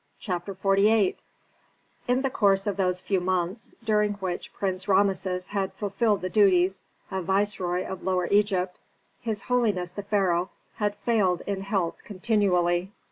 CHAPTER XLVIII In the course of those few months, during which Prince Rameses had fulfilled the duties of viceroy of Lower Egypt, his holiness the pharaoh had failed in health continually.